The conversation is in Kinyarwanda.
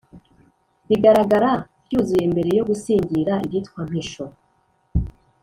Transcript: bigaragara, byuzuye, mbere yo gusingira ibyitwa mpisho